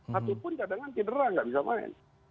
satupun cadangan tidak bisa main